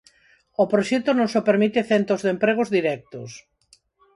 O proxecto non só permite centos de empregos directos.